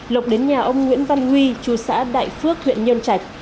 lộc đến nhà ông nguyễn văn huy chú xã đại phước huyện nhơn trạch